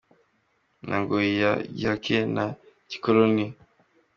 Ya ngoyi ya Gihake na Gikoloni